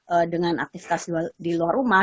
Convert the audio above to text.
ee dengan aktivitas di luar rumah